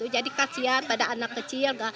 jadi kasian pada anak kecil